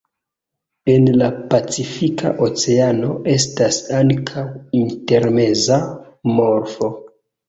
En la Pacifika Oceano estas ankaŭ intermeza morfo.